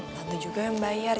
tante juga yang bayar